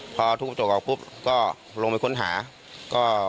พอทุบกระจกออกปุ๊บก็ลงไปค้นหาก็